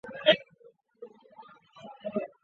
儿子刘黑马。